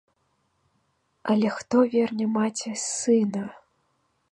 Але хто верне маці сына?